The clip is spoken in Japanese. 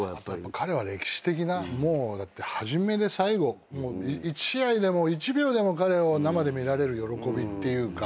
彼は歴史的なはじめで最後１試合でも１秒でも彼を生で見られる喜びっていうか。